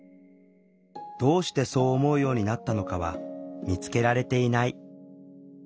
どうしてそう思うようになったのかは見つけられていない。